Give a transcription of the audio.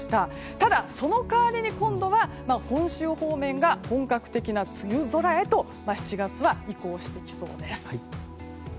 ただ、その代わりに今度は本州方面が本格的な梅雨空へと今週、移行していきそうです。